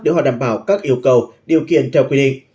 để họ đảm bảo các yêu cầu điều kiện theo quy định